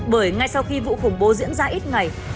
bởi ngay sau khi vụ khủng bố diễn ra ít ngày